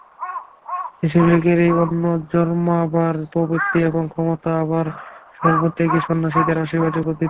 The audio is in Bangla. দেশের লোকের সেই অন্ন জন্মাবার প্রবৃত্তি এবং ক্ষমতাও আবার সর্বত্যাগী সন্ন্যাসীদের আশীর্বাদেই বর্ধিত হচ্ছে।